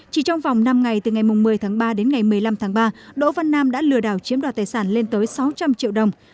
chỉ trong vòng năm ngày từ ngày một mươi tháng ba đến ngày một mươi năm tháng ba đỗ văn nam đã lừa đảo chiếm đoạt tài sản lên tới sáu trăm linh triệu đồng